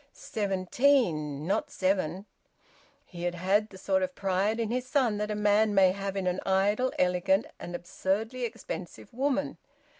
Seventeen, not seven! He had had the sort of pride in his son that a man may have in an idle, elegant, and absurdly expensive woman.